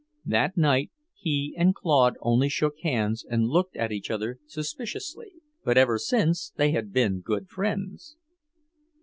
That night he and Claude only shook hands and looked at each other suspiciously, but ever since they had been good friends.